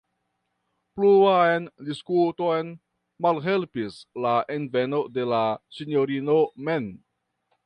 Pluan diskuton malhelpis la enveno de la sinjorino mem.